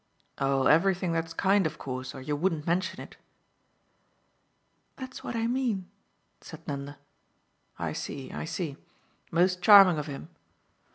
"Ok everything that's kind of course, or you wouldn't mention it." "That's what I mean," said Nanda. "I see, I see most charming of him."